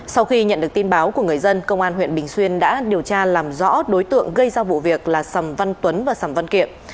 sau khi nhận được tin báo của người dân công an huyện bình xuyên đã điều tra làm rõ đối tượng gây ra vụ việc là sầm văn tuấn và sầm văn kiệm